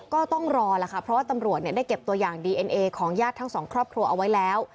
ก็ต้องรอล่ะค่ะเพราะว่าตำรวจได้เก็บตัวอย่างดีเอ็นเอของญาติทั้งสองครอบครัวเอาไว้แล้ว